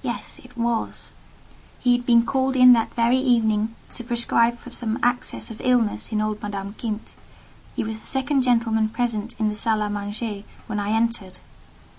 Yes: it was. He had been called in that very evening to prescribe for some access of illness in old Madame Kint; he was the second gentleman present in the salle à manger when I entered.